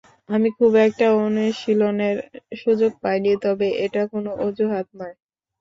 আমি খুব একটা অনুশীলনের সুযোগ পাইনি, তবে এটা কোনো অজুহাত নয়।